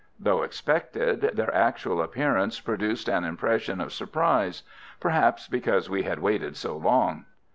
Though expected, their actual appearance produced an impression of surprise; perhaps because we had waited so long.